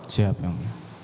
siap yang mulia